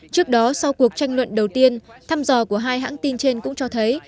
trước đó sau cuộc tranh luận đầu tiên thăm dò của hai hãng tin trên cũng cho thấy